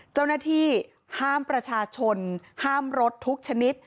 เจ้าหน้าที่ห้ามประชาชนห้ามรถทุกชนิด